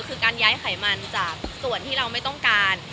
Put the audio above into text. คือการย้ายไขมันจากส่วนที่เราไม่ต้องการ